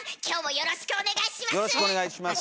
よろしくお願いします。